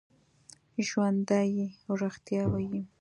ژوندي رښتیا وايي